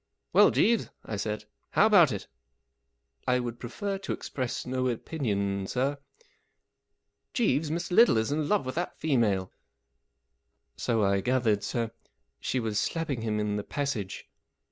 " Well, Jeeves," I said, 44 how about it ?"" I would prefer to express no opinion, sir." 44 Jeeves, Mr. Little is in love with that female." " So I gathered, sir. She was slapping him in the passage."